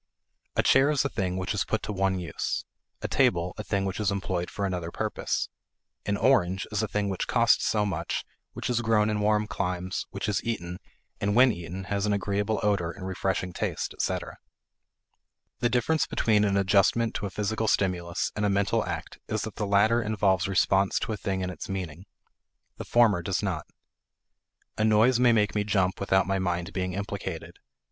A chair is a thing which is put to one use; a table, a thing which is employed for another purpose; an orange is a thing which costs so much, which is grown in warm climes, which is eaten, and when eaten has an agreeable odor and refreshing taste, etc. The difference between an adjustment to a physical stimulus and a mental act is that the latter involves response to a thing in its meaning; the former does not. A noise may make me jump without my mind being implicated.